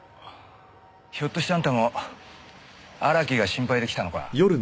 ひょっとしてあんたも荒木が心配で来たのか？